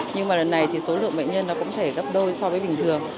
nhưng mà lần này thì số lượng bệnh nhân nó cũng thể gấp đôi so với bình thường